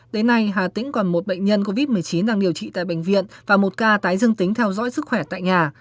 đến nay hà tĩnh còn một bệnh nhân covid một mươi chín đang điều trị tại bệnh viện và một ca tái dương tính theo dõi sức khỏe tại nhà